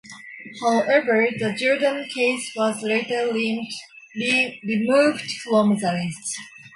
However, the Jordan case was later removed from the list.